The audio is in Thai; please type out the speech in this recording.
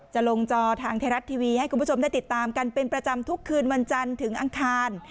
ลงจอทางไทยรัฐทีวีให้คุณผู้ชมได้ติดตามกันเป็นประจำทุกคืนวันจันทร์ถึงอังคาร